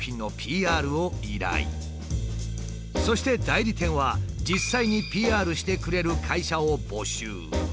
そして代理店は実際にＰＲしてくれる会社を募集。